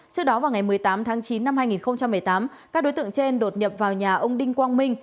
trước đó vào ngày một mươi tám tháng chín năm hai nghìn một mươi tám các đối tượng trên đột nhập vào nhà ông đinh quang minh